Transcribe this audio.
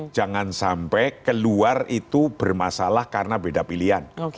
jangan sampai keluar itu bermasalah karena beda pilihan